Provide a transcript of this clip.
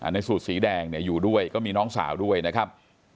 ในสูตรสีแดงอยู่ด้วยก็มีน้องสาวด้วยนะครับ